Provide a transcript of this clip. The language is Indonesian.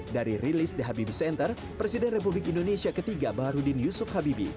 dari rilis the habibie center presiden republik indonesia ketiga baharudin yusuf habibi